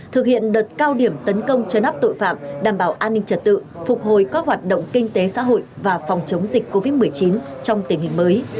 thực hiện đợt cao điểm tấn công chấn áp tội phạm đảm bảo an ninh trật tự phục hồi các hoạt động kinh tế xã hội và phòng chống dịch covid một mươi chín trong tình hình mới